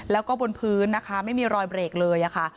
แล้วก็บนพื้นนะคะไม่มีรอยเบรกเลยค่ะ